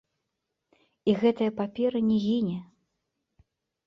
І гэтая папера не гіне.